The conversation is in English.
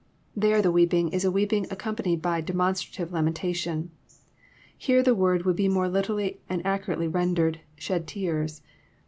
There the weeping is a weeping accompanied by demon fetrative lamentation. Here the word would be more literally and accurately rendered <* shed tears."